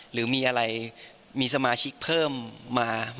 หรือมีสมาชิกเพิ่มมา